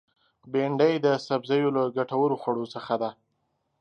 بېنډۍ د سبزیو له ګټورو خوړو څخه ده